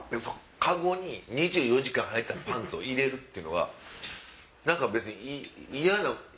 籠に２４時間はいてたパンツを入れるっていうのが何か別に嫌な。